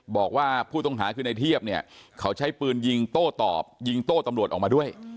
บอกว่าผู้ต้องหาคือในเทียบเนี่ยเขาใช้ปืนยิงโต้ตอบยิงโต้ตำรวจออกมาด้วย